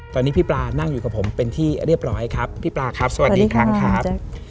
ตอนนี้พี่ปลานั่งอยู่กับผมเป็นที่เรียบร้อยครับพี่ปลาครับสวัสดีอีกครั้งครับ